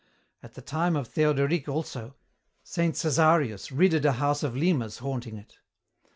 At the time of Theodoric also, Saint Cæsaræus ridded a house of lemurs haunting it.